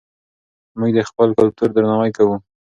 موږ د خپل کلتور درناوی کوو.